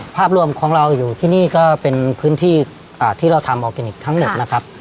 ภาพรวมของเราอยู่ที่นี่ก็เป็นพื้นที่ที่เราทำออร์แกนิคทั้งหมดนะครับ